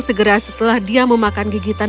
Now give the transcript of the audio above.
segera setelah dia memakan gigitan